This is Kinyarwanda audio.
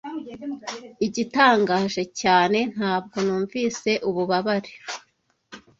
Igitangaje cyane, ntabwo numvise ububabare